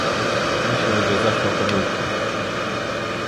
Myślę, że zaszła pomyłka